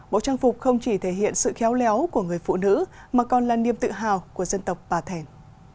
bộ trang phục không chỉ thể hiện sự khéo léo của người phụ nữ mà còn là niềm tự hào của dân tộc bà thẻn